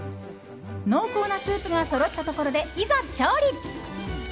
濃厚なスープがそろったところでいざ調理。